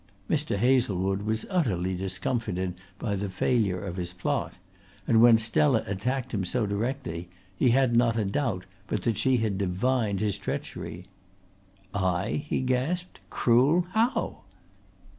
Mr. Hazlewood was utterly discomfited by the failure of his plot, and when Stella attacked him so directly he had not a doubt but that she had divined his treachery. "I?" he gasped. "Cruel? How?"